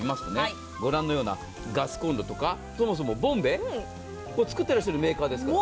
ご覧のようなガスコンロとかそもそもボンベ作ってらっしゃるメーカーですから。